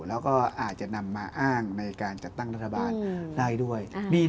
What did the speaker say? แล้วก็อาจจะนำมาอ้างในการจัดตั้งรัฐบาลได้ด้วย